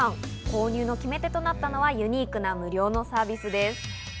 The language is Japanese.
購入の決め手となったのはユニークな無料のサービスです。